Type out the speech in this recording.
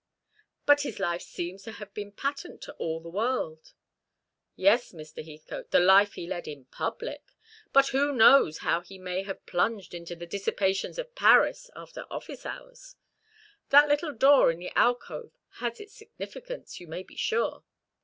"But his life seems to have been patent to all the world." "Yes, Mr. Heathcote, the life he led in public. But who knows how he may have plunged into the dissipations of Paris after office hours? That little door in the alcove has its significance, you may be sure.